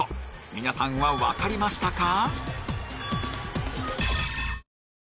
⁉皆さんは分かりましたか？